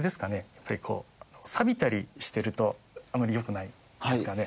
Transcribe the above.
やっぱりこうさびたりしてるとあんまりよくないですかね？